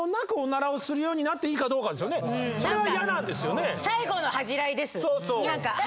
それは嫌なんですよね。